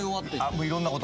「もういろんなこと」